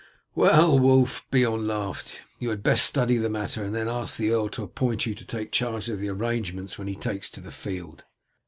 "Well, Wulf," Beorn laughed, "you had best study the matter, and then ask the earl to appoint you to take charge of the arrangements when he takes the field."